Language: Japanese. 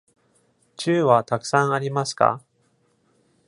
銃はたくさんありますか。